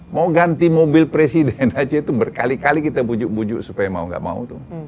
mau ganti mobil presiden aja itu berkali kali kita bujuk bujuk supaya mau gak mau tuh